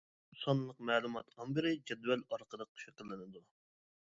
سانلىق مەلۇمات ئامبىرى جەدۋەل ئارقىلىق شەكىللىنىدۇ.